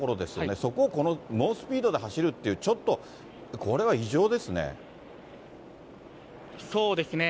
そこをこの猛スピードで走るっていう、ちょっと、これは異常ですそうですね。